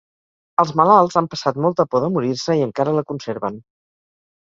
Els malalts han passat molta por de morir-se i encara la conserven.